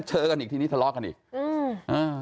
เจอกันอีกทีนี้ทะเลาะกันอีก